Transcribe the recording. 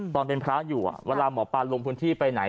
ตอนเป็นพระอยู่เวลาหมอปลาลงพื้นที่ไปไหน